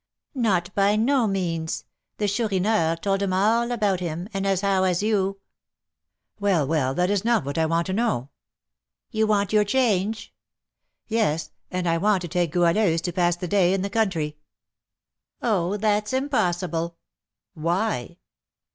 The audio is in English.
"Not by no means; the Chourineur told 'em all about him, and as how as you " "Well, well, that is not what I want to know." "You want your change." "Yes, and I want to take Goualeuse to pass the day in the country." "Oh, that's impossible!" "Why?"